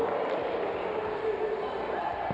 สวัสดีทุกคน